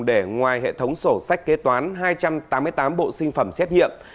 để ngoài hệ thống sổ sách kế toán hai trăm tám mươi tám bộ sinh phẩm xét nghiệm